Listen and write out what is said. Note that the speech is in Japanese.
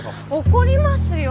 怒りますよ！